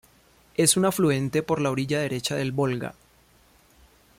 Es un afluente por la orilla derecha del Volga.